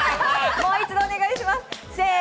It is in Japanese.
もう一度お願いします。